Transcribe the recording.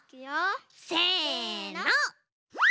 せの！